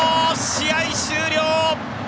試合終了！